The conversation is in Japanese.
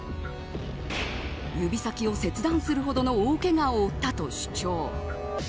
指先を切断するほどの大けがを負ったと主張。